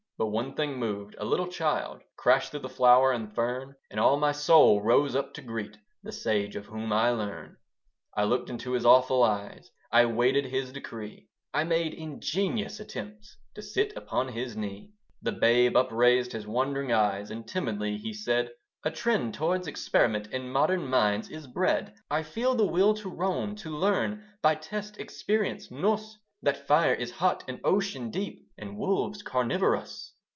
But one thing moved: a little child Crashed through the flower and fern: And all my soul rose up to greet The sage of whom I learn. I looked into his awful eyes: I waited his decree: I made ingenious attempts To sit upon his knee. The babe upraised his wondering eyes, And timidly he said, "A trend towards experiment In modern minds is bred. "I feel the will to roam, to learn By test, experience, nous, That fire is hot and ocean deep, And wolves carnivorous.